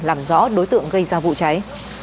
làm rõ đối tượng gây ra vụ cháy